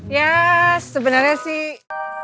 ya sebenarnya sih